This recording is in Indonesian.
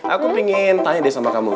aku ingin tanya deh sama kamu